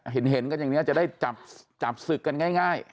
เห็นกันอย่างนี้จะได้จับศึกกันง่าย